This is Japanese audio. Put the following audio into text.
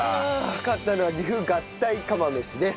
勝ったのは岐阜合体釜飯です。